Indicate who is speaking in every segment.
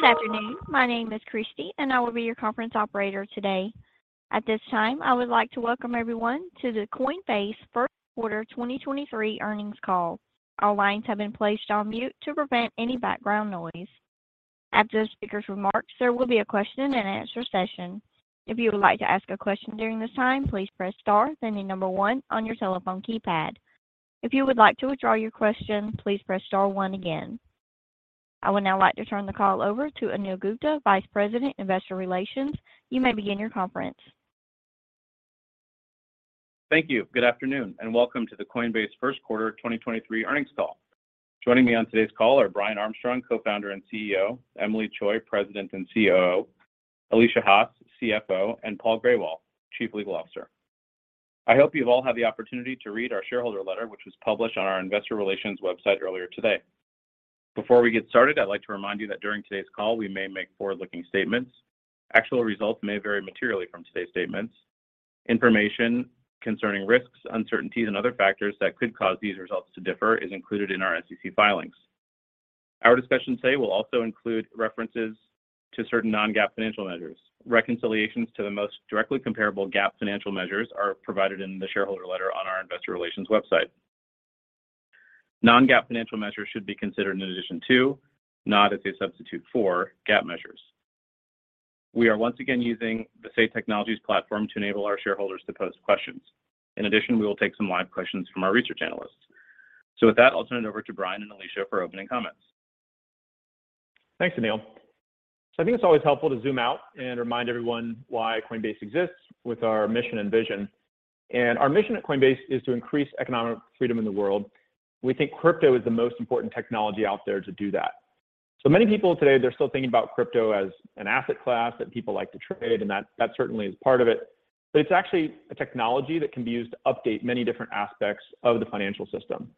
Speaker 1: Good afternoon. My name is Christie. I will be your conference operator today. At this time, I would like to welcome everyone to the Coinbase First Quarter 2023 Earnings Call. All lines have been placed on mute to prevent any background noise. After the speaker's remarks, there will be a question and answer session. If you would like to ask a question during this time, please press star, then the number one on your telephone keypad. If you would like to withdraw your question, please press star one again. I would now like to turn the call over to Anil Gupta, Vice President, Investor Relations. You may begin your conference.
Speaker 2: Thank you. Good afternoon, welcome to the Coinbase first quarter 2023 earnings call. Joining me on today's call are Brian Armstrong, Co-founder and CEO, Emilie Choi, President and COO, Alesia Haas, CFO, and Paul Grewal, Chief Legal Officer. I hope you've all had the opportunity to read our shareholder letter, which was published on our investor relations website earlier today. Before we get started, I'd like to remind you that during today's call, we may make forward-looking statements. Actual results may vary materially from today's statements. Information concerning risks, uncertainties, and other factors that could cause these results to differ is included in our SEC filings. Our discussion today will also include references to certain non-GAAP financial measures. Reconciliations to the most directly comparable GAAP financial measures are provided in the shareholder letter on our investor relations website. Non-GAAP financial measures should be considered in addition to, not as a substitute for, GAAP measures. We are once again using the Say Technologies platform to enable our shareholders to pose questions. In addition, we will take some live questions from our research analysts. With that, I'll turn it over to Brian and Alesia for opening comments.
Speaker 3: Thanks, Anil. I think it's always helpful to zoom out and remind everyone why Coinbase exists with our mission and vision. Our mission at Coinbase is to increase economic freedom in the world. We think crypto is the most important technology out there to do that. Many people today, they're still thinking about crypto as an asset class that people like to trade, and that certainly is part of it. It's actually a technology that can be used to update many different aspects of the financial system.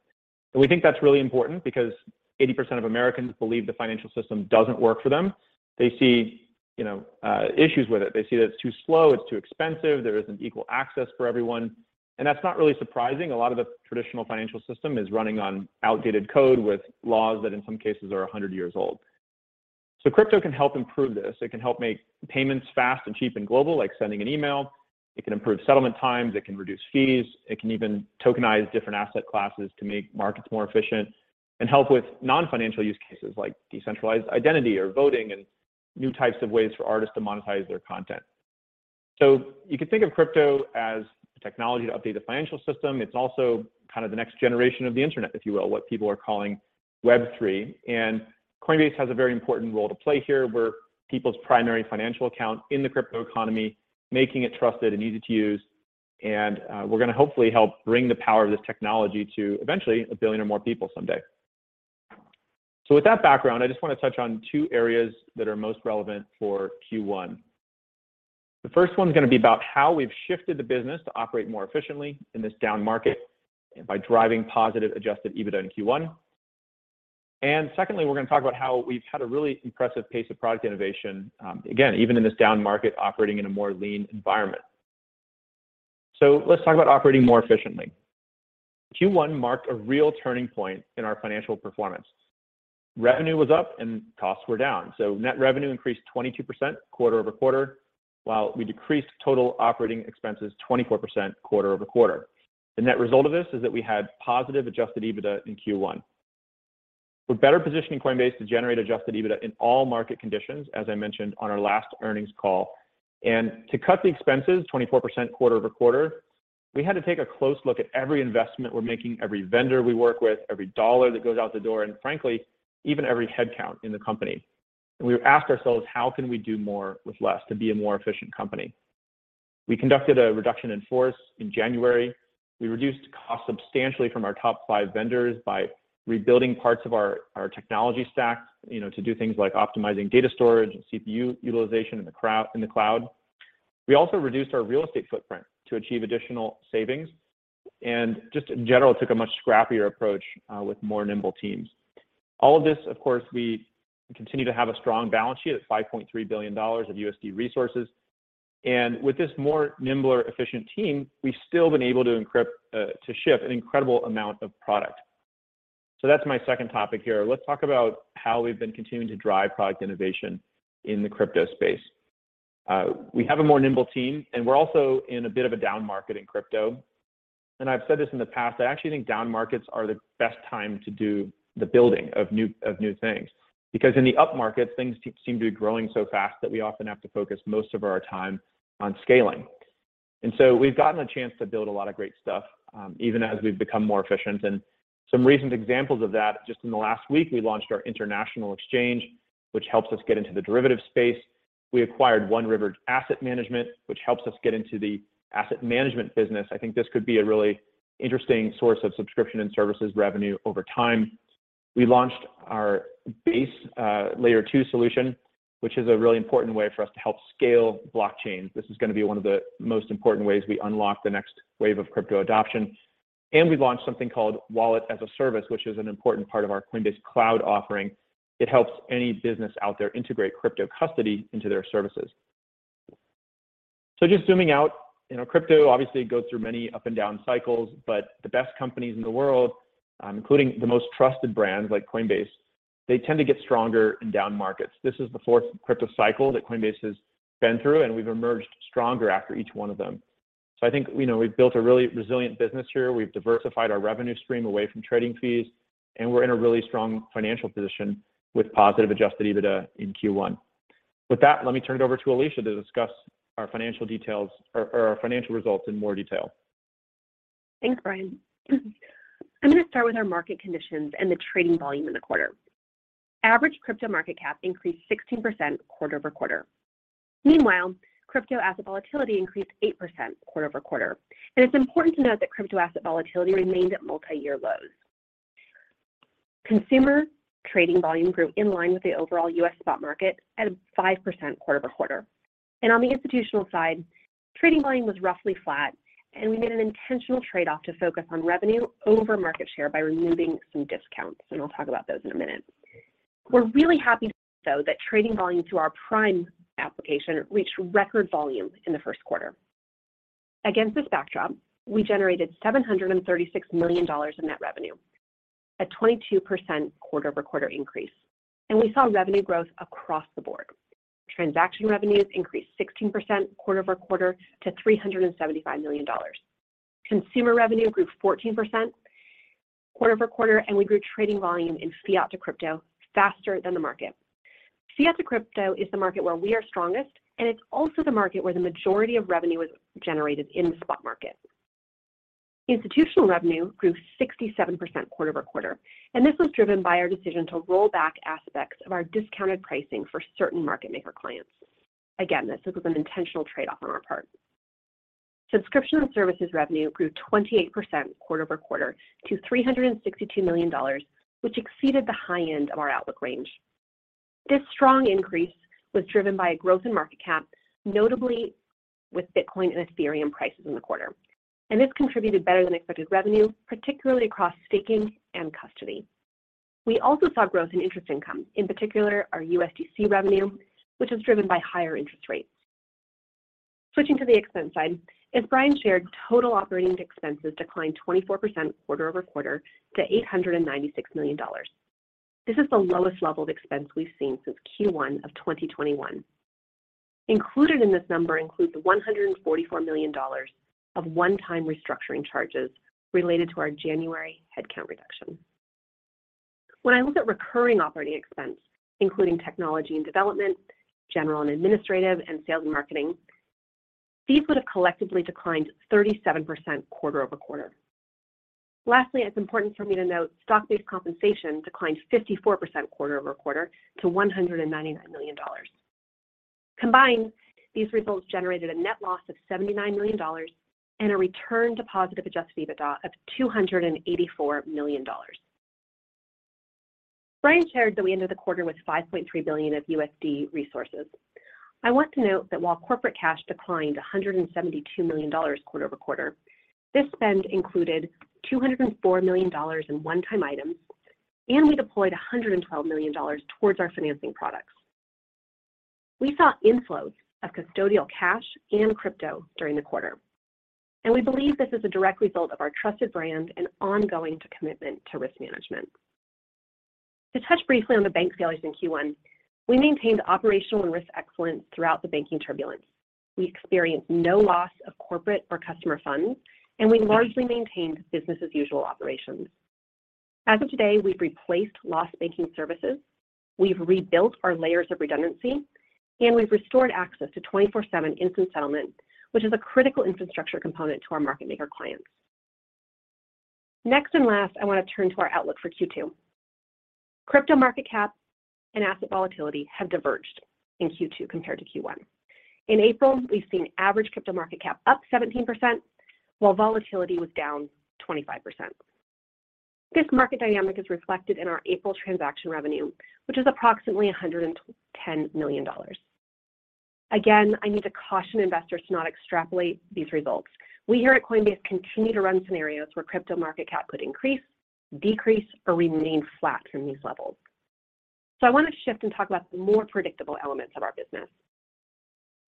Speaker 3: We think that's really important because 80% of Americans believe the financial system doesn't work for them. They see, you know, issues with it. They see that it's too slow, it's too expensive, there isn't equal access for everyone. That's not really surprising. A lot of the traditional financial system is running on outdated code with laws that in some cases are 100 years old. Crypto can help improve this. It can help make payments fast and cheap and global, like sending an email. It can improve settlement times, it can reduce fees. It can even tokenize different asset classes to make markets more efficient, and help with non-financial use cases like decentralized identity or voting and new types of ways for artists to monetize their content. You can think of crypto as a technology to update the financial system. It's also kind of the next generation of the internet, if you will, what people are calling Web3. Coinbase has a very important role to play here. We're people's primary financial account in the crypto economy, making it trusted and easy to use. We're gonna hopefully help bring the power of this technology to eventually a billion or more people someday. With that background, I just wanna touch on two areas that are most relevant for Q1. The first one's gonna be about how we've shifted the business to operate more efficiently in this down market by driving positive Adjusted EBITDA in Q1. Secondly, we're gonna talk about how we've had a really impressive pace of product innovation, again, even in this down market, operating in a more lean environment. Let's talk about operating more efficiently. Q1 marked a real turning point in our financial performance. Revenue was up and costs were down. Net revenue increased 22% quarter-over-quarter, while we decreased total operating expenses 24% quarter-over-quarter. The net result of this is that we had positive Adjusted EBITDA in Q1. We're better positioning Coinbase to generate Adjusted EBITDA in all market conditions, as I mentioned on our last earnings call. To cut the expenses 24% quarter-over-quarter, we had to take a close look at every investment we're making, every vendor we work with, every dollar that goes out the door, and frankly, even every headcount in the company. We asked ourselves, "How can we do more with less to be a more efficient company?" We conducted a reduction in force in January. We reduced costs substantially from our top five vendors by rebuilding parts of our technology stack, you know, to do things like optimizing data storage and CPU utilization in the cloud. We also reduced our real estate footprint to achieve additional savings, and just in general, took a much scrappier approach with more nimble teams. All of this, of course, we continue to have a strong balance sheet at $5.3 billion of USD resources. With this more nimbler, efficient team, we've still been able to ship an incredible amount of product. That's my second topic here. Let's talk about how we've been continuing to drive product innovation in the crypto space. We have a more nimble team, and we're also in a bit of a down market in crypto. I've said this in the past, I actually think down markets are the best time to do the building of new things. In thi up markets, things seem to be growing so fast that we often have to focus most of our time on scaling. We've gotten a chance to build a lot of great stuff, even as we've become more efficient. Some recent examples of that, just in the last week, we launched our international exchange, which helps us get into the derivative space. We acquired One River Asset Management, which helps us get into the asset management business. I think this could be a really interesting source of subscription and services revenue over time. We launched our Base, Layer 2 solution, which is a really important way for us to help scale blockchains. This is gonna be one of the most important ways we unlock the next wave of crypto adoption. We launched something called Wallet as a Service, which is an important part of our Coinbase Cloud offering. It helps any business out there integrate crypto custody into their services. Just zooming out, you know, crypto obviously goes through many up and down cycles, but the best companies in the world, including the most trusted brands like Coinbase, they tend to get stronger in down markets. This is the fourth crypto cycle that Coinbase has been through, and we've emerged stronger after each one of them. I think, you know, we've built a really resilient business here. We've diversified our revenue stream away from trading fees, and we're in a really strong financial position with positive Adjusted EBITDA in Q1. With that, let me turn it over to Alesia to discuss our financial details or our financial results in more detail.
Speaker 4: Thanks, Brian. I'm gonna start with our market conditions and the trading volume in the quarter. Average crypto market cap increased 16% quarter-over-quarter. Crypto asset volatility increased 8% quarter-over-quarter. It's important to note that crypto asset volatility remained at multi-year lows. Consumer trading volume grew in line with the overall U.S. spot market at 5% quarter-over-quarter. On the institutional side, trading volume was roughly flat, and we made an intentional trade-off to focus on revenue over market share by removing some discounts, and I'll talk about those in a minute. We're really happy though, that trading volume through our Prime application reached record volume in the first quarter. Against this backdrop, we generated $736 million in net revenue at 22% quarter-over-quarter increase, and we saw revenue growth across the board. Transaction revenues increased 16% quarter-over-quarter to $375 million. Consumer revenue grew 14% quarter-over-quarter. We grew trading volume in fiat to crypto faster than the market. Fiat to crypto is the market where we are strongest. It's also the market where the majority of revenue is generated in the spot market. Institutional revenue grew 67% quarter-over-quarter. This was driven by our decision to roll back aspects of our discounted pricing for certain market maker clients. Again, this was an intentional trade-off on our part. Subscription and services revenue grew 28% quarter-over-quarter to $362 million, which exceeded the high end of our outlook range. This strong increase was driven by a growth in market cap, notably with Bitcoin and Ethereum prices in the quarter. This contributed better than expected revenue, particularly across staking and custody. We also saw growth in interest income, in particular our USDC revenue, which was driven by higher interest rates. Switching to the expense side, as Brian shared, total operating expenses declined 24% quarter-over-quarter to $896 million. This is the lowest level of expense we've seen since Q1 of 2021. Included in this number includes $144 million of one-time restructuring charges related to our January headcount reduction. When I look at recurring operating expense, including technology and development, general and administrative, and sales and marketing, these would've collectively declined 37% quarter-over-quarter. Lastly, it's important for me to note stock-based compensation declined 54% quarter-over-quarter to $199 million. Combined, these results generated a net loss of $79 million and a return to positive Adjusted EBITDA of $284 million. Brian shared that we ended the quarter with $5.3 billion of USD resources. I want to note that while corporate cash declined $172 million quarter-over-quarter, this spend included $204 million in one-time items, and we deployed $112 million towards our financing products. We saw inflows of custodial cash and crypto during the quarter, and we believe this is a direct result of our trusted brand and ongoing to commitment to risk management. To touch briefly on the bank failures in Q1, we maintained operational and risk excellence throughout the banking turbulence. We experienced no loss of corporate or customer funds, and we largely maintained business as usual operations. As of today, we've replaced lost banking services, we've rebuilt our layers of redundancy, and we've restored access to 24/7 instant settlement, which is a critical infrastructure component to our market maker clients. Next, last, I wanna turn to our outlook for Q2. Crypto market cap and asset volatility have diverged in Q2 compared to Q1. In April, we've seen average crypto market cap up 17%, while volatility was down 25%. This market dynamic is reflected in our April transaction revenue, which is approximately $110 million. Again, I need to caution investors to not extrapolate these results. We here at Coinbase continue to run scenarios where crypto market cap could increase, decrease, or remain flat from these levels. I wanna shift and talk about the more predictable elements of our business.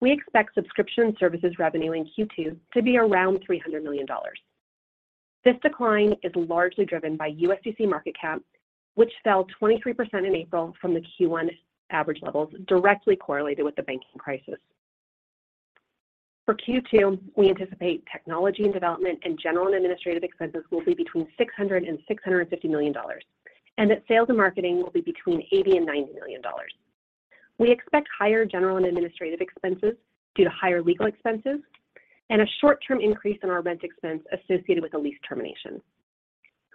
Speaker 4: We expect subscription services revenue in Q2 to be around $300 million. This decline is largely driven by USDC market cap, which fell 23% in April from the Q1 average levels directly correlated with the banking crisis. For Q2, we anticipate technology and development and general and administrative expenses will be between $600 million-$650 million, and that sales and marketing will be between $80 million-$90 million. We expect higher general and administrative expenses due to higher legal expenses and a short-term increase in our rent expense associated with a lease termination.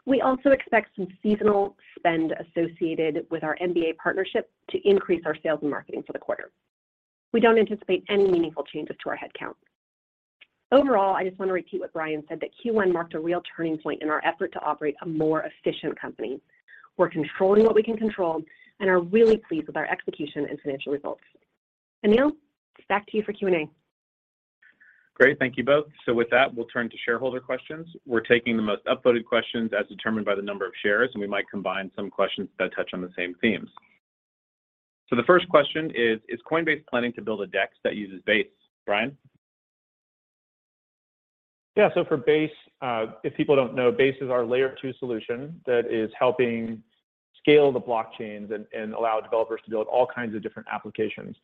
Speaker 4: We also expect some seasonal spend associated with our NBA partnership to increase our sales and marketing for the quarter. We don't anticipate any meaningful changes to our headcount. Overall, I just wanna repeat what Brian said, that Q1 marked a real turning point in our effort to operate a more efficient company. We're controlling what we can control and are really pleased with our execution and financial results. Anil, back to you for Q&A.
Speaker 2: Great. Thank you both. With that, we'll turn to shareholder questions. We're taking the most upvoted questions as determined by the number of shares, and we might combine some questions that touch on the same themes. The first question is Coinbase planning to build a DEX that uses Base? Brian?
Speaker 3: Yeah. For Base, if people don't know, Base is our Layer 2 solution that is helping scale the blockchains and allow developers to build all kinds of different applications.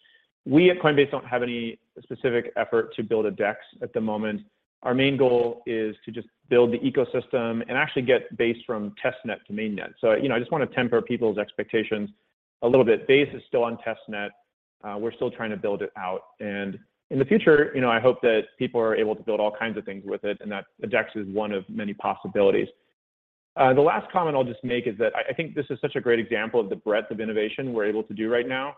Speaker 3: We at Coinbase don't have any specific effort to build a DEX at the moment. Our main goal is to just build the ecosystem and actually get Base from testnet to mainnet. You know, I just wanna temper people's expectations a little bit. Base is still on testnet. We're still trying to build it out. In the future, you know, I hope that people are able to build all kinds of things with it, and that a DEX is one of many possibilities. The last comment I'll just make is that I think this is such a great example of the breadth of innovation we're able to do right now.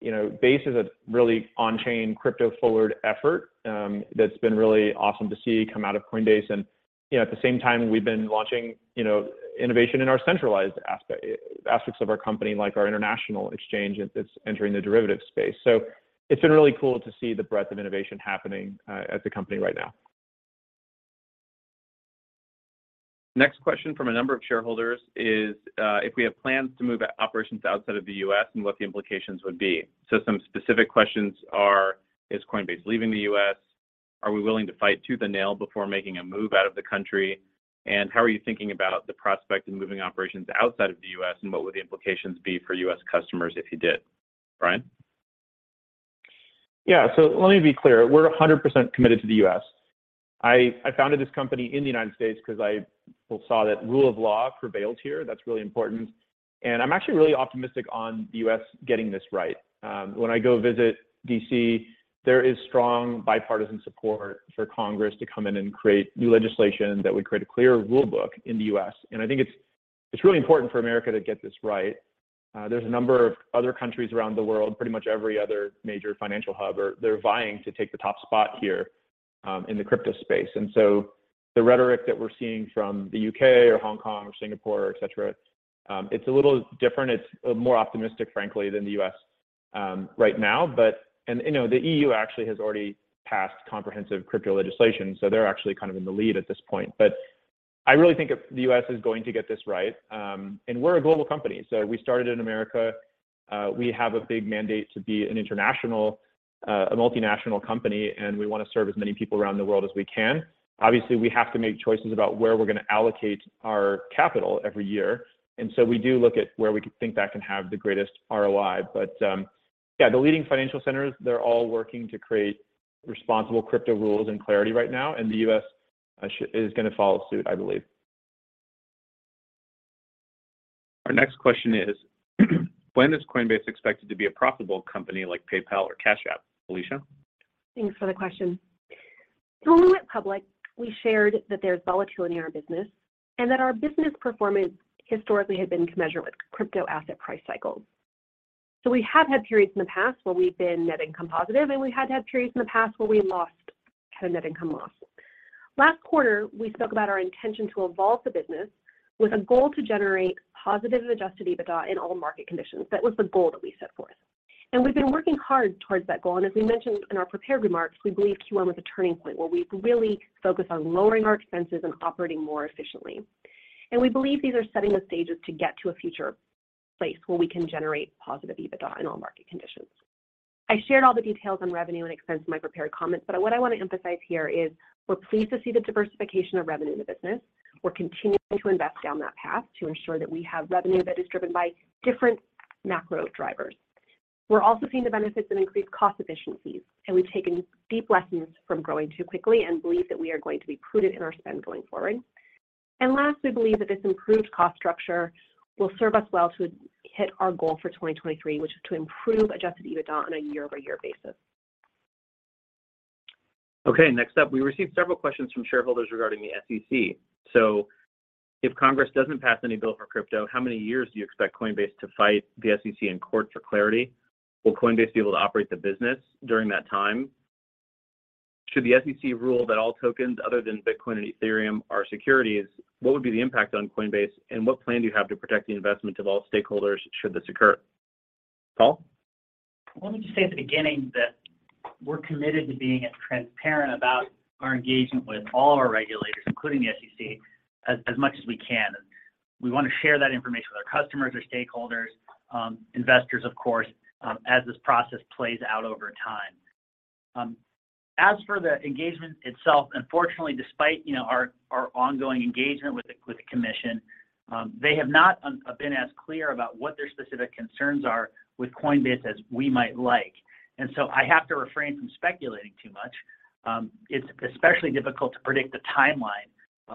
Speaker 3: You know, Base is a really on-chain crypto-forward effort, that's been really awesome to see come out of Coinbase. You know, at the same time, we've been launching, you know, innovation in our centralized aspects of our company, like our international exchange that's entering the derivative space. It's been really cool to see the breadth of innovation happening as a company right now.
Speaker 2: Next question from a number of shareholders is, if we have plans to move operations outside of the U.S., and what the implications would be. Some specific questions are, is Coinbase leaving the U.S.? Are we willing to fight tooth and nail before making a move out of the country? How are you thinking about the prospect in moving operations outside of the U.S., and what would the implications be for U.S. customers if you did? Brian?
Speaker 3: Yeah. Let me be clear. We're 100% committed to the U.S. I founded this company in the United States because I saw that rule of law prevailed here. That's really important. I'm actually really optimistic on the U.S. getting this right. When I go visit D.C., there is strong bipartisan support for Congress to come in and create new legislation that would create a clearer rule book in the U.S. I think it's really important for America to get this right. There's a number of other countries around the world, pretty much every other major financial hub, or they're vying to take the top spot here in the crypto space. The rhetoric that we're seeing from the U.K. or Hong Kong or Singapore, et cetera, it's a little different. It's more optimistic, frankly, than the U.S., right now. You know, the EU actually has already passed comprehensive crypto legislation, so they're actually kind of in the lead at this point. I really think the U.S. is going to get this right. We're a global company. We started in America. We have a big mandate to be an international, a multinational company, and we wanna serve as many people around the world as we can. Obviously, we have to make choices about where we're gonna allocate our capital every year, we do look at where we think that can have the greatest ROI. Yeah, the leading financial centers, they're all working to create responsible crypto rules and clarity right now, and the U.S. is gonna follow suit, I believe.
Speaker 2: Our next question is, when is Coinbase expected to be a profitable company like PayPal or Cash App? Alesia?
Speaker 4: Thanks for the question. When we went public, we shared that there's volatility in our business and that our business performance historically had been measured with crypto asset price cycles. We have had periods in the past where we've been net income positive, and we had to have periods in the past where we had a net income loss. Last quarter, we spoke about our intention to evolve the business with a goal to generate positive Adjusted EBITDA in all market conditions. That was the goal that we set forth, and we've been working hard towards that goal. As we mentioned in our prepared remarks, we believe Q1 was a turning point where we've really focused on lowering our expenses and operating more efficiently. We believe these are setting the stages to get to a future place where we can generate positive EBITDA in all market conditions. I shared all the details on revenue and expense in my prepared comments, but what I wanna emphasize here is we're pleased to see the diversification of revenue in the business. We're continuing to invest down that path to ensure that we have revenue that is driven by different macro drivers. We're also seeing the benefits of increased cost efficiencies, and we've taken deep lessons from growing too quickly and believe that we are going to be prudent in our spend going forward. Last, we believe that this improved cost structure will serve us well to hit our goal for 2023, which is to improve adjusted EBITDA on a year-over-year basis.
Speaker 2: Okay, next up. We received several questions from shareholders regarding the SEC. If Congress doesn't pass any bill for crypto, how many years do you expect Coinbase to fight the SEC in court for clarity? Will Coinbase be able to operate the business during that time? Should the SEC rule that all tokens other than Bitcoin and Ethereum are securities, what would be the impact on Coinbase, and what plan do you have to protect the investment of all stakeholders should this occur? Paul?
Speaker 5: Let me just say at the beginning that we're committed to being as transparent about our engagement with all our regulators, including the SEC, as much as we can. We wanna share that information with our customers, our stakeholders, investors, of course, as this process plays out over time. As for the engagement itself, unfortunately, despite, you know, our ongoing engagement with the commission, they have not been as clear about what their specific concerns are with Coinbase as we might like. I have to refrain from speculating too much. It's especially difficult to predict the timeline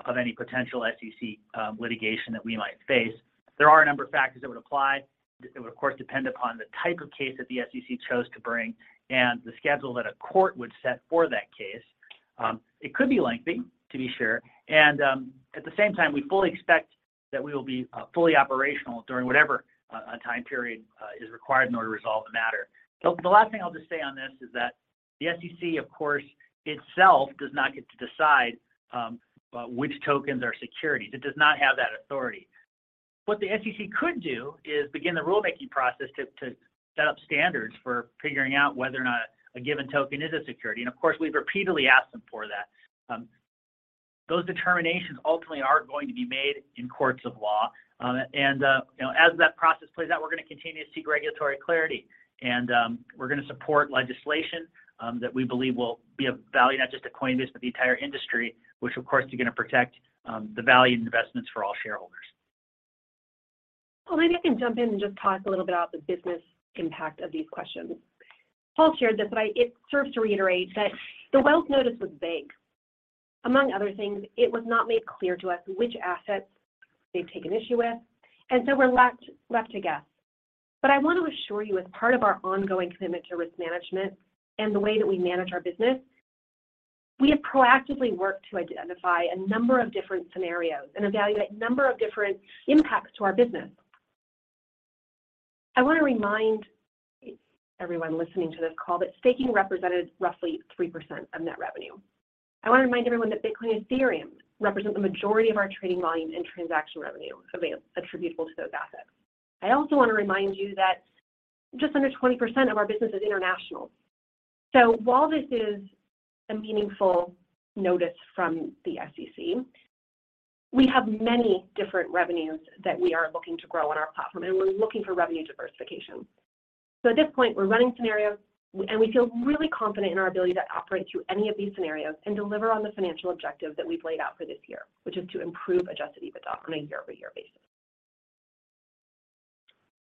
Speaker 5: of any potential SEC litigation that we might face. There are a number of factors that would apply. It would, of course, depend upon the type of case that the SEC chose to bring and the schedule that a court would set for that case. It could be lengthy, to be sure. At the same time, we fully expect that we will be fully operational during whatever time period is required in order to resolve the matter. The last thing I'll just say on this is that the SEC, of course, itself does not get to decide which tokens are securities. It does not have that authority. What the SEC could do is begin the rulemaking process to set up standards for figuring out whether or not a given token is a security. Of course, we've repeatedly asked them for that. Those determinations ultimately are going to be made in courts of law. You know, as that process plays out, we're gonna continue to seek regulatory clarity. We're gonna support legislation, that we believe will be of value not just to Coinbase, but the entire industry, which of course is gonna protect the value and investments for all shareholders.
Speaker 4: Maybe I can jump in and just talk a little bit about the business impact of these questions. Paul shared this, it serves to reiterate that the Wells Notice was vague. Among other things, it was not made clear to us which assets they've taken issue with, we're left to guess. I want to assure you, as part of our ongoing commitment to risk management and the way that we manage our business, we have proactively worked to identify a number of different scenarios and evaluate a number of different impacts to our business. I want to remind everyone listening to this call that staking represented roughly 3% of net revenue. I want to remind everyone that Bitcoin and Ethereum represent the majority of our trading volume and transaction revenue, something attributable to those assets. I also want to remind you that just under 20% of our business is international. While this is a meaningful notice from the SEC, we have many different revenues that we are looking to grow on our platform, and we're looking for revenue diversification. At this point, we're running scenarios, and we feel really confident in our ability to operate through any of these scenarios and deliver on the financial objective that we've laid out for this year, which is to improve Adjusted EBITDA on a year-over-year basis.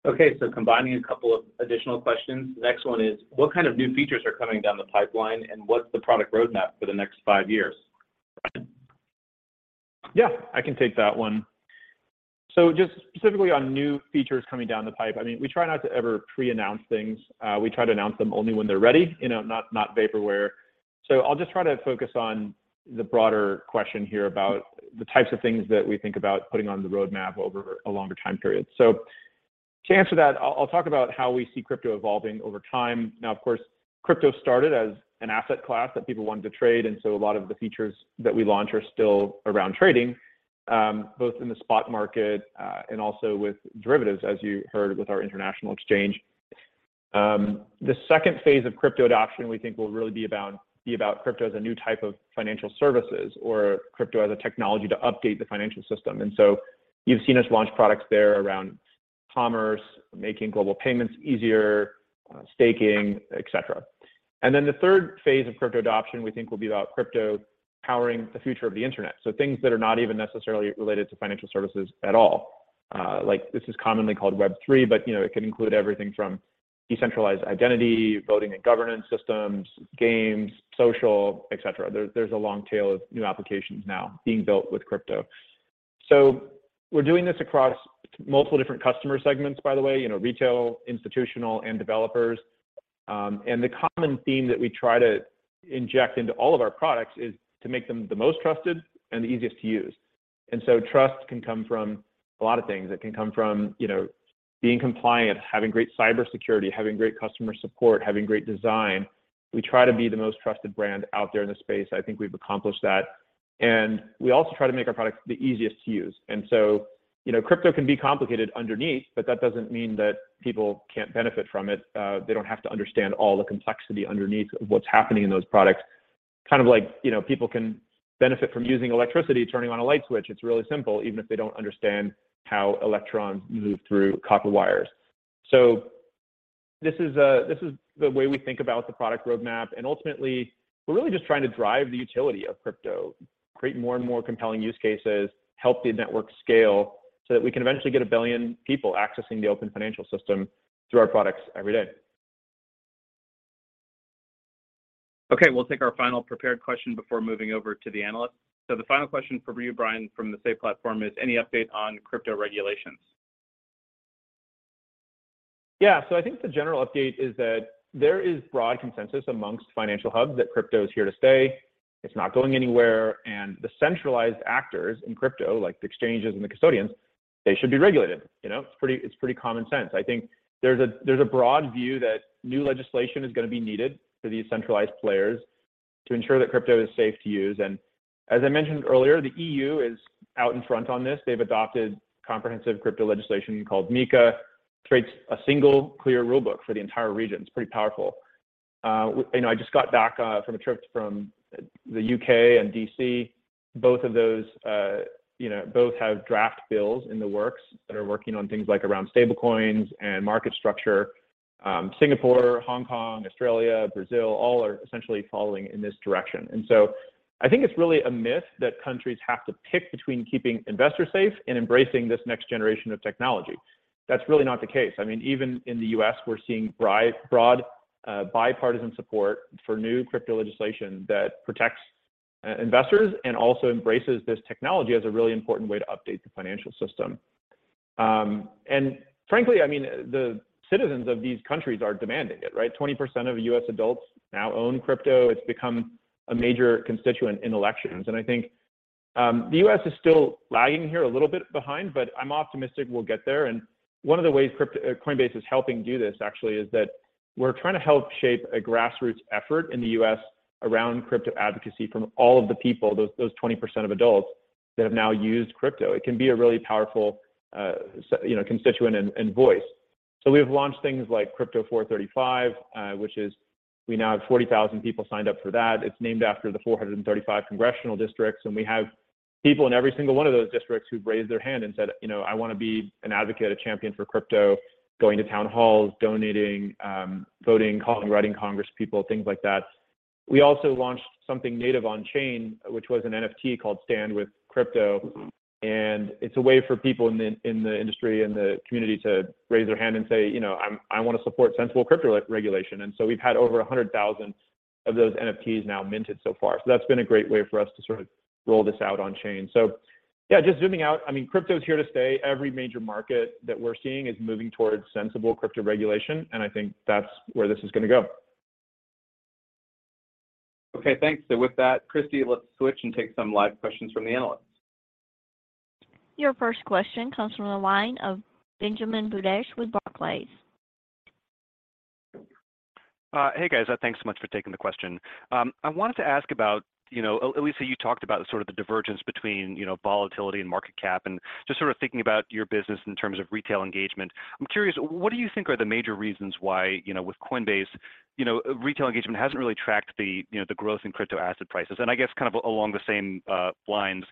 Speaker 2: Okay. Combining a couple of additional questions. The next one is: What kind of new features are coming down the pipeline, and what's the product roadmap for the next five years? Brian?
Speaker 3: Yeah, I can take that one. Just specifically on new features coming down the pipe, I mean, we try not to ever preannounce things. We try to announce them only when they're ready, you know, not vaporware. I'll just try to focus on the broader question here about the types of things that we think about putting on the roadmap over a longer time period. To answer that, I'll talk about how we see crypto evolving over time. Of course, crypto started as an asset class that people wanted to trade, and so a lot of the features that we launch are still around trading, both in the spot market, and also with derivatives, as you heard with our international exchange. The second phase of crypto adoption, we think will really be about, be about crypto as a new type of financial services or crypto as a technology to update the financial system. You've seen us launch products there around commerce, making global payments easier, staking, et cetera. The third phase of crypto adoption, we think, will be about crypto powering the future of the Internet. Things that are not even necessarily related to financial services at all. Like this is commonly called Web3, but, you know, it can include everything from decentralized identity, voting and governance systems, games, social, et cetera. There's a long tail of new applications now being built with crypto. We're doing this across multiple different customer segments, by the way, you know, retail, institutional, and developers. The common theme that we try to inject into all of our products is to make them the most trusted and the easiest to use. Trust can come from a lot of things. It can come from, you know, being compliant, having great cybersecurity, having great customer support, having great design. We try to be the most trusted brand out there in the space. I think we've accomplished that. We also try to make our products the easiest to use. You know, crypto can be complicated underneath, but that doesn't mean that people can't benefit from it. They don't have to understand all the complexity underneath of what's happening in those products. Kind of like, you know, people can benefit from using electricity, turning on a light switch. It's really simple, even if they don't understand how electrons move through copper wires. This is the way we think about the product roadmap. Ultimately, we're really just trying to drive the utility of crypto, create more and more compelling use cases, help the network scale so that we can eventually get 1 billion people accessing the open financial system through our products every day.
Speaker 2: Okay, we'll take our final prepared question before moving over to the analysts. The final question for you, Brian, from the Say Technologies platform is any update on crypto regulations?
Speaker 3: Yeah. I think the general update is that there is broad consensus amongst financial hubs that crypto is here to stay. It's not going anywhere. The centralized actors in crypto, like the exchanges and the custodians, they should be regulated. You know, it's pretty common sense. I think there's a broad view that new legislation is gonna be needed for these centralized players to ensure that crypto is safe to use. As I mentioned earlier, the EU is out in front on this. They've adopted comprehensive crypto legislation called MiCA. Creates a single clear rule book for the entire region. It's pretty powerful. You know, I just got back from a trip from the U.K. and D.C. Both of those, you know, both have draft bills in the works that are working on things like around stablecoins and market structure. Singapore, Hong Kong, Australia, Brazil, all are essentially following in this direction. I think it's really a myth that countries have to pick between keeping investors safe and embracing this next generation of technology. That's really not the case. I mean, even in the U.S., we're seeing broad bipartisan support for new crypto legislation that protects investors and also embraces this technology as a really important way to update the financial system. Frankly, I mean, the citizens of these countries are demanding it, right? 20% of U.S. adults now own crypto. It's become a major constituent in elections. I think the U.S. is still lagging here a little bit behind, but I'm optimistic we'll get there. One of the ways Coinbase is helping do this actually is that we're trying to help shape a grassroots effort in the U.S. around crypto advocacy from all of the people, those 20% of adults that have now used crypto. It can be a really powerful, you know, constituent and voice. We've launched things like Crypto 435, which is we now have 40,000 people signed up for that. It's named after the 435 congressional districts, and we have people in every single one of those districts who've raised their hand and said, you know, "I wanna be an advocate, a champion for crypto," going to town halls, donating, voting, calling, writing Congress people, things like that. We also launched something native on chain, which was an NFT called Stand with Crypto. It's a way for people in the, in the industry and the community to raise their hand and say, you know, "I wanna support sensible crypto re-regulation." We've had over 100,000 of those NFTs now minted so far. That's been a great way for us to sort of roll this out on chain. Yeah, just zooming out, I mean, crypto is here to stay. Every major market that we're seeing is moving towards sensible crypto regulation, and I think that's where this is gonna go.
Speaker 2: Okay, thanks. With that, Christie, let's switch and take some live questions from the analysts.
Speaker 1: Your first question comes from the line of Benjamin Budish with Barclays.
Speaker 6: Hey, guys. Thanks so much for taking the question. I wanted to ask about, you know, at least that you talked about sort of the divergence between, you know, volatility and market cap, and just sort of thinking about your business in terms of retail engagement. I'm curious, what do you think are the major reasons why, you know, with Coinbase, you know, retail engagement hasn't really tracked the, you know, the growth in crypto asset prices? I guess kind of along the same lines,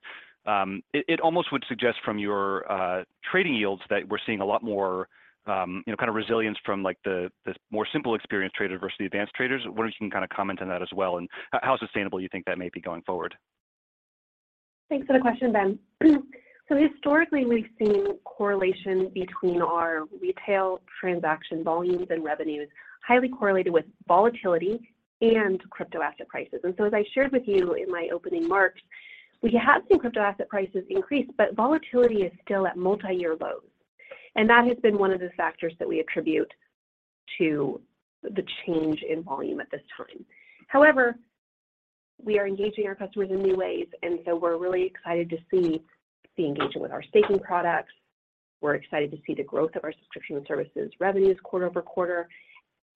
Speaker 6: it almost would suggest from your trading yields that we're seeing a lot more, you know, kind of resilience from, like, the more simple experience traders versus the advanced traders. Wondering if you can kinda comment on that as well and how sustainable you think that may be going forward.
Speaker 4: Thanks for the question, Ben. Historically, we've seen correlation between our retail transaction volumes and revenues, highly correlated with volatility and crypto asset prices. As I shared with you in my opening remarks, we have seen crypto asset prices increase, but volatility is still at multi-year lows. That has been one of the factors that we attribute to the change in volume at this time. However, we are engaging our customers in new ways, and so we're really excited to see the engagement with our staking products. We're excited to see the growth of our subscription services revenues quarter-over-quarter.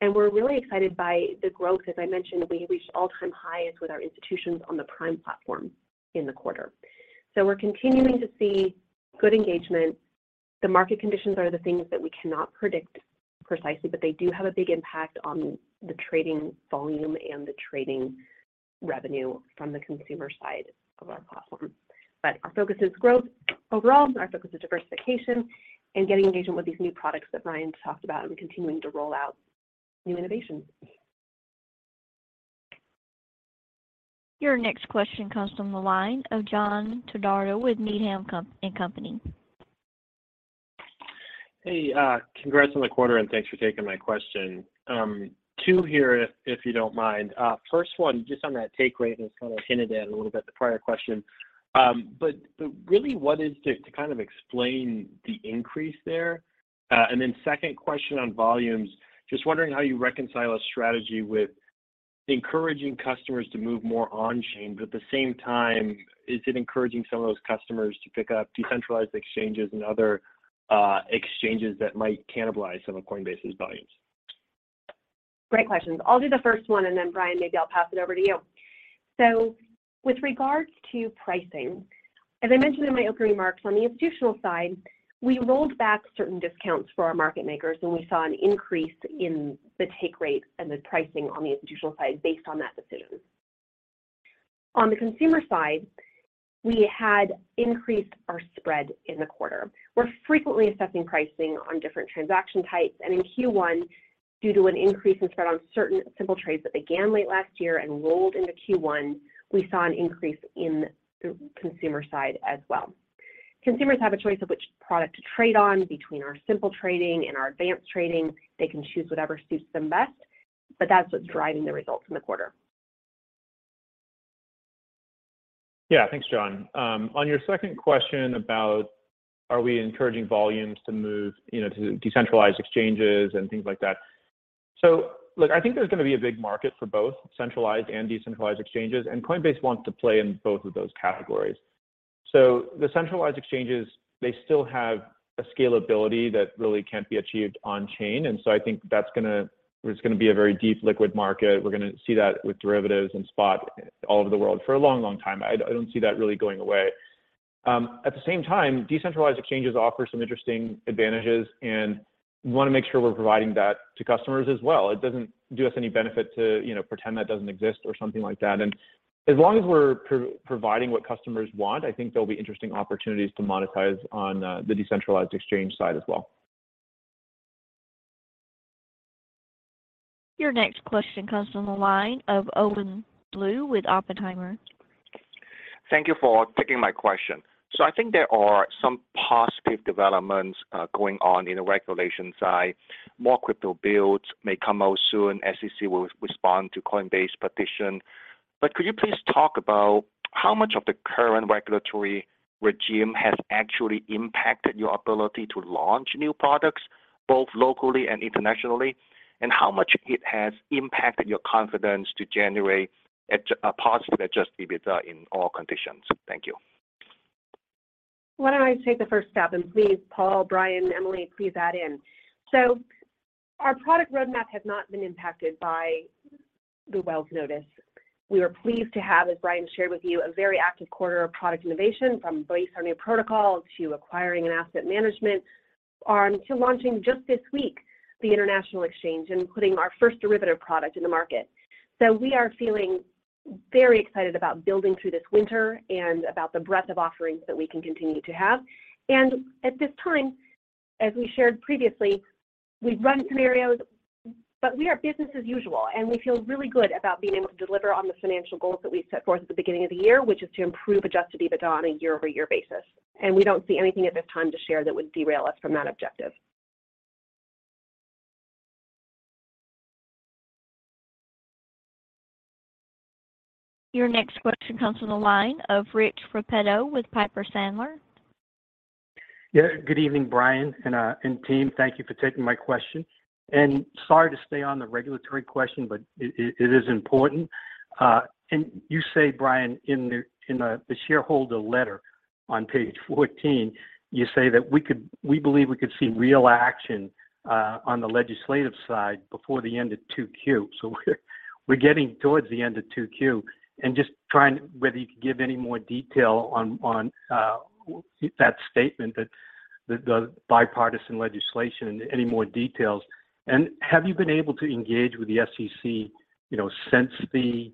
Speaker 4: We're really excited by the growth, as I mentioned, we reached all-time highs with our institutions on the Prime platform in the quarter. We're continuing to see good engagement. The market conditions are the things that we cannot predict precisely, but they do have a big impact on the trading volume and the trading revenue from the consumer side of our platform. Our focus is growth overall, and our focus is diversification and getting engagement with these new products that Brian talked about, and we're continuing to roll out new innovations.
Speaker 1: Your next question comes from the line of John Todaro with Needham & Company.
Speaker 7: Hey, congrats on the quarter, and thanks for taking my question. Two here if you don't mind. First one, just on that take rate, and it's kinda hinted at a little bit the prior question. Really what is to kind of explain the increase there. Then second question on volumes, just wondering how you reconcile a strategy with encouraging customers to move more on chain, but at the same time, is it encouraging some of those customers to pick up decentralized exchanges and other exchanges that might cannibalize some of Coinbase's volumes?
Speaker 4: Great questions. I'll do the first one, and then Brian, maybe I'll pass it over to you. With regards to pricing, as I mentioned in my opening remarks, on the institutional side, we rolled back certain discounts for our market makers, and we saw an increase in the take rates and the pricing on the institutional side based on that decision. On the consumer side, we had increased our spread in the quarter. We're frequently assessing pricing on different transaction types, and in Q1, due to an increase in spread on certain simple trades that began late last year and rolled into Q1, we saw an increase in the consumer side as well. Consumers have a choice of which product to trade on between our simple trading and our advanced trading. They can choose whatever suits them best, but that's what's driving the results in the quarter.
Speaker 3: Yeah. Thanks, John. On your second question about are we encouraging volumes to move, you know, to decentralized exchanges and things like that. Look, I think there's gonna be a big market for both centralized and decentralized exchanges, and Coinbase wants to play in both of those categories. The centralized exchanges, they still have a scalability that really can't be achieved on chain. I think there's gonna be a very deep liquid market. We're gonna see that with derivatives and spot all over the world for a long, long time. I don't see that really going away. At the same time, decentralized exchanges offer some interesting advantages, and we wanna make sure we're providing that to customers as well. It doesn't do us any benefit to, you know, pretend that doesn't exist or something like that. As long as we're providing what customers want, I think there'll be interesting opportunities to monetize on the decentralized exchange side as well.
Speaker 1: Your next question comes from the line of Owen Lau with Oppenheimer.
Speaker 8: Thank you for taking my question. I think there are some positive developments going on in the regulation side. More crypto builds may come out soon. SEC will respond to Coinbase petition. Could you please talk about how much of the current regulatory regime has actually impacted your ability to launch new products, both locally and internationally, and how much it has impacted your confidence to generate a positive Adjusted EBITDA in all conditions? Thank you.
Speaker 4: Why don't I take the first stab? Please, Paul, Brian, Emilie, please add in. Our product roadmap has not been impacted by the Wells Notice. We are pleased to have, as Brian shared with you, a very active quarter of product innovation from Base our new protocol to acquiring an asset management arm, to launching just this week the international exchange and putting our first derivative product in the market. We are feeling very excited about building through this winter and about the breadth of offerings that we can continue to have. At this time, as we shared previously, we've run scenarios, but we are business as usual, and we feel really good about being able to deliver on the financial goals that we set forth at the beginning of the year, which is to improve Adjusted EBITDA on a year-over-year basis. We don't see anything at this time to share that would derail us from that objective.
Speaker 1: Your next question comes from the line of Richard Repetto with Piper Sandler.
Speaker 9: Yeah, good evening, Brian and team. Thank you for taking my question. Sorry to stay on the regulatory question, but it is important. You say, Brian, in the shareholder letter on page 14, you say that we believe we could see real action on the legislative side before the end of 2Q. We're getting towards the end of 2Q, and just trying... whether you could give any more detail on that statement that the bipartisan legislation, any more details? Have you been able to engage with the SEC, you know, since the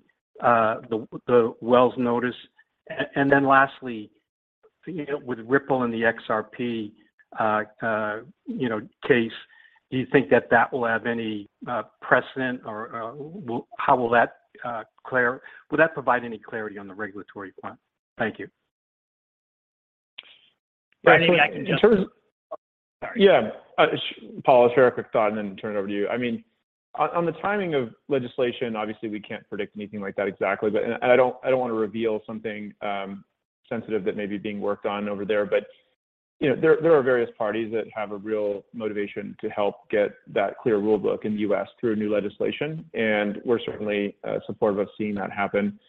Speaker 9: Wells Notice? Lastly, you know, with Ripple and the XRP, you know, case, do you think that that will have any precedent or will... Will that provide any clarity on the regulatory front? Thank you.
Speaker 5: Brian, maybe I can jump in.
Speaker 3: In terms of-
Speaker 5: Sorry.
Speaker 3: Yeah. Paul, I'll share a quick thought and then turn it over to you. I mean, on the timing of legislation, obviously we can't predict anything like that exactly, but. I don't wanna reveal something sensitive that may be being worked on over there, but, you know, there are various parties that have a real motivation to help get that clear rule book in the U.S. through new legislation, and we're certainly supportive of seeing that happen.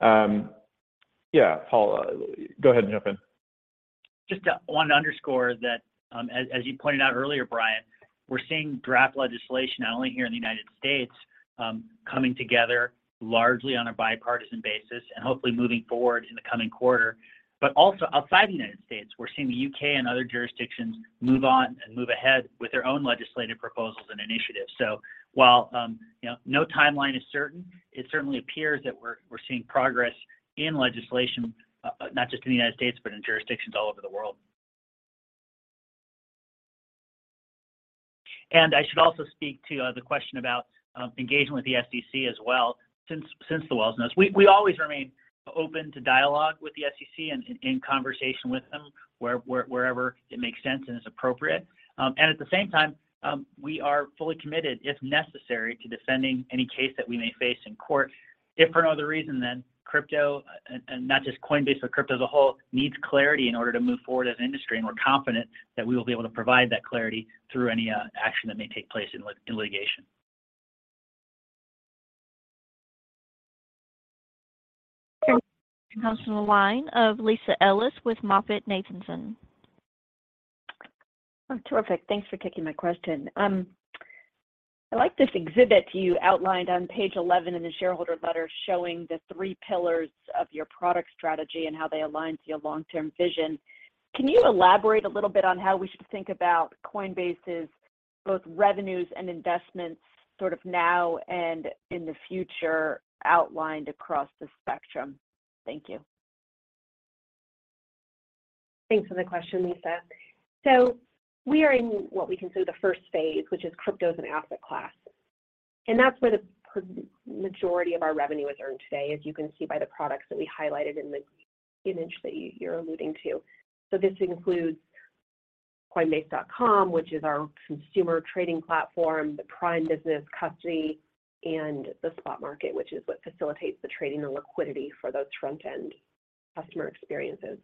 Speaker 3: Yeah, Paul, go ahead and jump in.
Speaker 5: Just want to underscore that, as you pointed out earlier, Brian, we're seeing draft legislation not only here in the United States, coming together largely on a bipartisan basis and hopefully moving forward in the coming quarter, but also outside the United States, we're seeing the U.K. and other jurisdictions move on and move ahead with their own legislative proposals and initiatives. While, you know, no timeline is certain, it certainly appears that we're seeing progress in legislation, not just in the United States, but in jurisdictions all over the world. I should also speak to the question about engagement with the SEC as well since the Wells Notice. We always remain open to dialogue with the SEC and in conversation with them wherever it makes sense and is appropriate. At the same time, we are fully committed, if necessary, to defending any case that we may face in court, if for no other reason than crypto, and not just Coinbase, but crypto as a whole needs clarity in order to move forward as an industry, and we're confident that we will be able to provide that clarity through any action that may take place in litigation.
Speaker 1: Your next question comes from the line of Lisa Ellis with MoffettNathanson.
Speaker 10: Terrific. Thanks for taking my question. I like this exhibit you outlined on page 11 in the shareholder letter showing the three pillars of your product strategy and how they align to your long-term vision. Can you elaborate a little bit on how we should think about Coinbase's both revenues and investments sort of now and in the future outlined across the spectrum? Thank you.
Speaker 4: Thanks for the question, Lisa. We are in what we consider the first phase, which is crypto as an asset class. That's where the majority of our revenue is earned today, as you can see by the products that we highlighted in the image that you're alluding to. This includes Coinbase.com, which is our consumer trading platform, the Prime business, custody, and the spot market, which is what facilitates the trading and liquidity for those front-end customer experiences.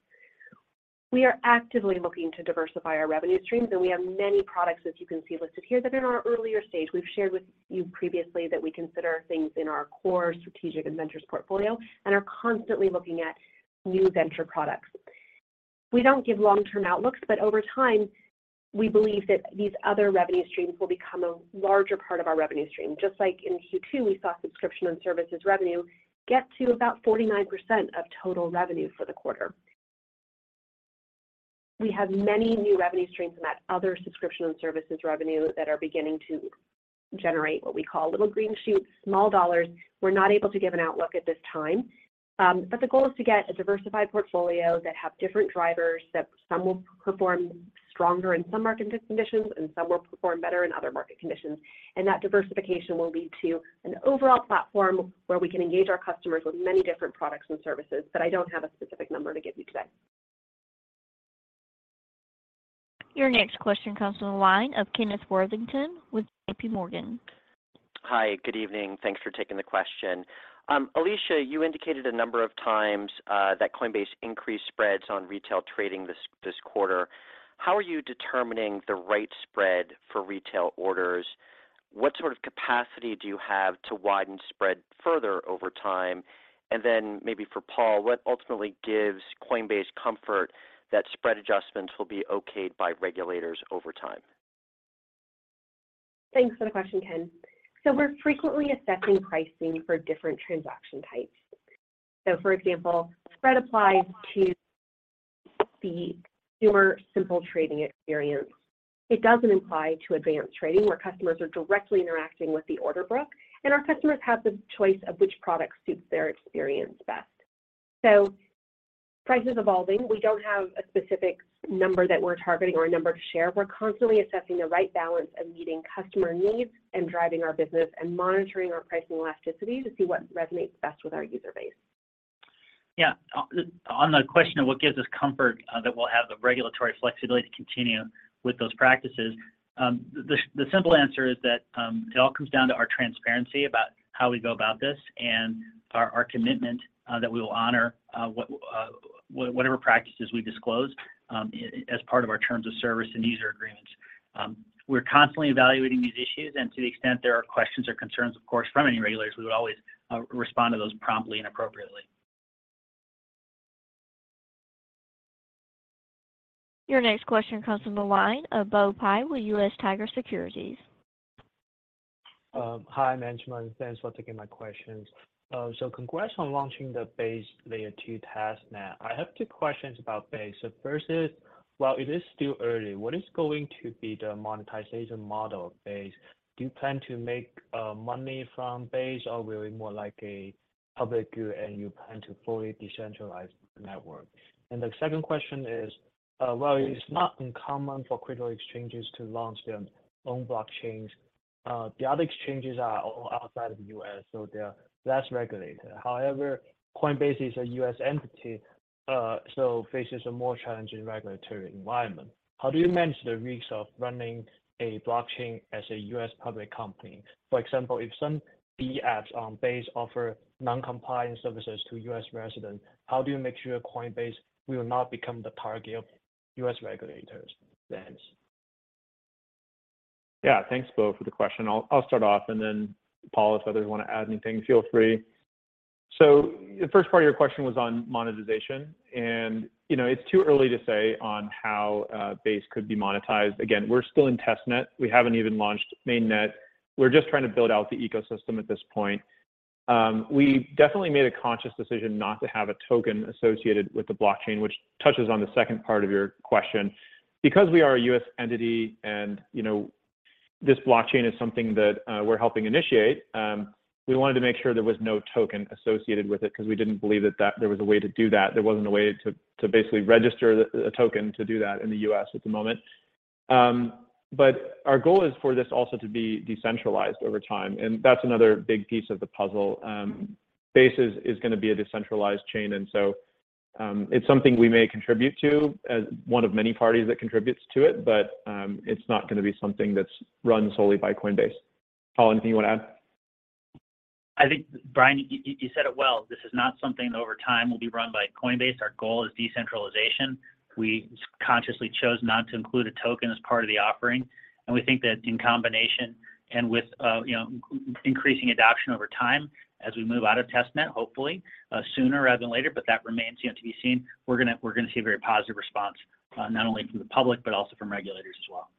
Speaker 4: We are actively looking to diversify our revenue streams, and we have many products, as you can see listed here, that are in our earlier stage. We've shared with you previously that we consider things in our core strategic ventures portfolio and are constantly looking at new venture products. We don't give long-term outlooks, but over time, we believe that these other revenue streams will become a larger part of our revenue stream. Just like in Q2, we saw subscription and services revenue get to about 49% of total revenue for the quarter. We have many new revenue streams in that other subscription and services revenue that are beginning to generate what we call little green shoots, small dollars. We're not able to give an outlook at this time. But the goal is to get a diversified portfolio that have different drivers, that some will perform stronger in some market conditions and some will perform better in other market conditions. That diversification will lead to an overall platform where we can engage our customers with many different products and services, but I don't have a specific number to give you today.
Speaker 1: Your next question comes from the line of Kenneth Worthington with JPMorgan.
Speaker 11: Hi, good evening. Thanks for taking the question. Alesia, you indicated a number of times, that Coinbase increased spreads on retail trading this quarter. How are you determining the right spread for retail orders? What sort of capacity do you have to widen spread further over time? Maybe for Paul, what ultimately gives Coinbase comfort that spread adjustments will be okayed by regulators over time?
Speaker 4: Thanks for the question, Ken. We're frequently assessing pricing for different transaction types. For example, spread applies to the pure simple trading experience. It doesn't apply to advanced trading, where customers are directly interacting with the order book, and our customers have the choice of which product suits their experience best. Price is evolving. We don't have a specific number that we're targeting or a number to share. We're constantly assessing the right balance of meeting customer needs and driving our business and monitoring our pricing elasticity to see what resonates best with our user base.
Speaker 5: Yeah. On the question of what gives us comfort, that we'll have the regulatory flexibility to continue with those practices, the simple answer is that it all comes down to our transparency about how we go about this and our commitment that we will honor whatever practices we disclose as part of our terms of service and user agreements. We're constantly evaluating these issues, and to the extent there are questions or concerns, of course, from any regulators, we would always respond to those promptly and appropriately.
Speaker 1: Your next question comes from the line of Bo Pei with US Tiger Securities.
Speaker 12: Hi, management. Thanks for taking my questions. Congrats on launching the Base Layer 2 testnet. I have two questions about Base. First is, while it is still early, what is going to be the monetization model of Base? Do you plan to make money from Base, or will it be more like a public good, and you plan to fully decentralize the network? The second question is, while it's not uncommon for crypto exchanges to launch their own blockchains, the other exchanges are outside of the U.S., they are less regulated. However, Coinbase is a U.S. entity, faces a more challenging regulatory environment. How do you manage the risks of running a blockchain as a U.S. public company? For example, if some dApps, Base offer non-compliant services to U.S. residents, how do you make sure Coinbase will not become the target of U.S. regulators? Thanks.
Speaker 3: Yeah. Thanks, Bo, for the question. I'll start off, and then Paul, if others wanna add anything, feel free. The first part of your question was on monetization. You know, it's too early to say on how Base could be monetized. Again, we're still in testnet. We haven't even launched mainnet. We're just trying to build out the ecosystem at this point. We definitely made a conscious decision not to have a token associated with the blockchain, which touches on the second part of your question. We are a U.S. entity and, you know, this blockchain is something that we're helping initiate, we wanted to make sure there was no token associated with it 'cause we didn't believe that there was a way to do that. There wasn't a way to basically register the token to do that in the U.S. at the moment. Our goal is for this also to be decentralized over time, and that's another big piece of the puzzle. Base is gonna be a decentralized chain. It's something we may contribute to as one of many parties that contributes to it, but it's not gonna be something that's run solely by Coinbase. Paul, anything you wanna add?
Speaker 5: I think, Brian, you said it well. This is not something that over time will be run by Coinbase. Our goal is decentralization. We consciously chose not to include a token as part of the offering, and we think that in combination and with, you know, increasing adoption over time as we move out of testnet, hopefully, sooner rather than later, but that remains, you know, to be seen, we're gonna see a very positive response, not only from the public, but also from regulators as well.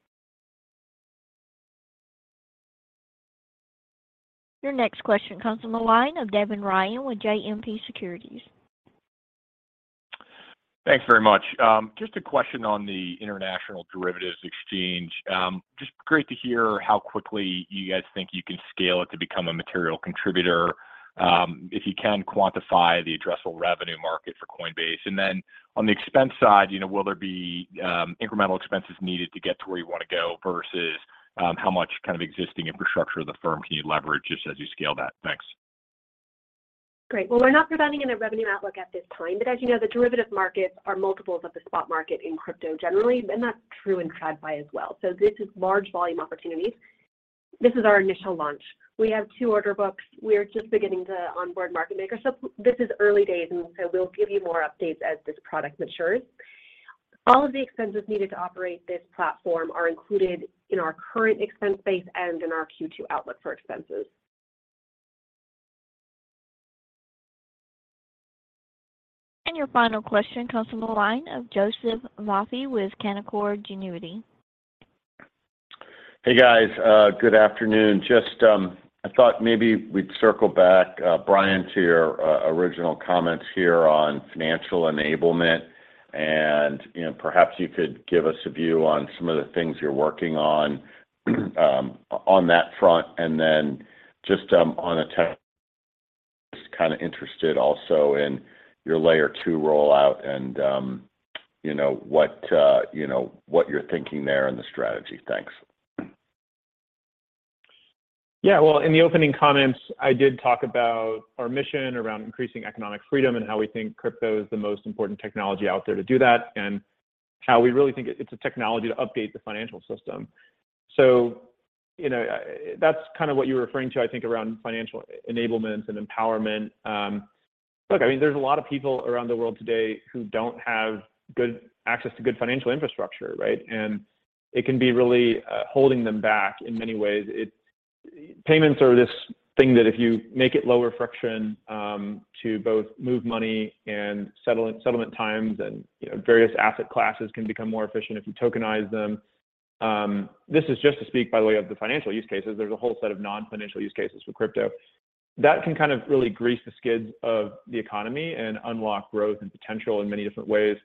Speaker 1: Your next question comes from the line of Devin Ryan with JMP Securities.
Speaker 13: Thanks very much. Just a question on the international derivatives exchange. Just great to hear how quickly you guys think you can scale it to become a material contributor. If you can quantify the addressable revenue market for Coinbase? Then on the expense side, you know, will there be incremental expenses needed to get to where you wanna go versus how much kind of existing infrastructure of the firm can you leverage just as you scale that? Thanks.
Speaker 4: Great. Well, we're not providing any revenue outlook at this time. As you know, the derivative markets are multiples of the spot market in crypto generally, and that's true in TradFi as well. This is large volume opportunities. This is our initial launch. We have two order books. We're just beginning to onboard market makers, so this is early days, and so we'll give you more updates as this product matures. All of the expenses needed to operate this platform are included in our current expense base and in our Q2 outlook for expenses.
Speaker 1: Your final question comes from the line of Joseph Vafi with Canaccord Genuity.
Speaker 14: Hey, guys, good afternoon. Just, I thought maybe we'd circle back, Brian, to your original comments here on financial enablement, and, you know, perhaps you could give us a view on some of the things you're working on on that front. Then just on a. Just kind of interested also in your Layer 2 rollouts and what you're thinking there on the strategy. Thanks.
Speaker 3: Yeah. In the opening comments, I did talk about our mission around increasing economic freedom and how we think crypto is the most important technology out there to do that, and how we really think it's a technology to update the financial system. You know, that's kind of what you're referring to, I think, around financial enablement and empowerment. Look, I mean, there's a lot of people around the world today who don't have good access to good financial infrastructure, right? It can be really holding them back in many ways. Payments are this thing that if you make it lower friction, to both move money and settle it, settlement times and, you know, various asset classes can become more efficient if you tokenize them. This is just to speak, by the way, of the financial use cases. There's a whole set of non-financial use cases for crypto that can kind of really grease the skids of the economy and unlock growth and potential in many different ways.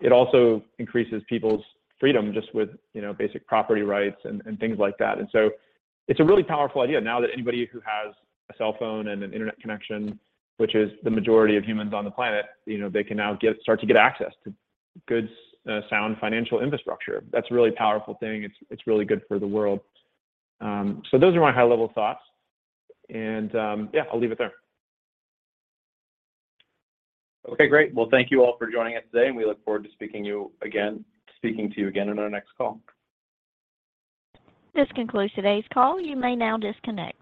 Speaker 3: It also increases people's freedom just with, you know, basic property rights and things like that. It's a really powerful idea. Now that anybody who has a cell phone and an internet connection, which is the majority of humans on the planet, you know, they can now start to get access to good, sound financial infrastructure. That's a really powerful thing. It's really good for the world. Those are my high-level thoughts. Yeah, I'll leave it there. Okay, great. Thank you all for joining us today, and we look forward to speaking to you again on our next call.
Speaker 1: This concludes today's call. You may now disconnect.